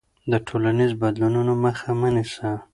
د ټولنیزو بدلونونو مخه مه نیسه.